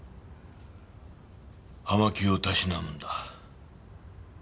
葉巻をたしなむんだ。